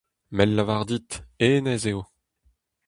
M'hel lavar dit, hennezh eo !